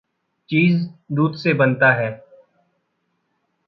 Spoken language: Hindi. चीज़ दूध से बनता है।